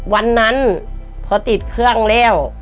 วันนั้นพอติดเครื่องแล้ว